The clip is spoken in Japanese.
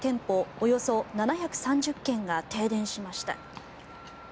およそ７３０軒が停電しました。